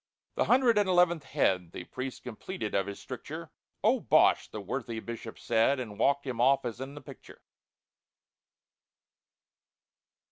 The hundred and eleventh head The priest completed of his stricture; "Oh, bosh!" the worthy Bishop said, And walked him off as in the picture.